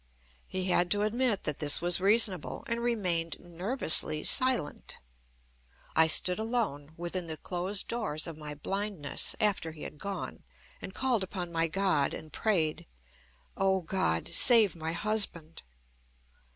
He had to admit that this was reasonable, and remained nervously silent. I stood alone within the closed doors of my blindness after he had gone, and called upon my God and prayed: "O God, save my husband."